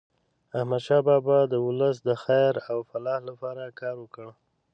احمدشاه بابا د ولس د خیر او فلاح لپاره کار وکړ.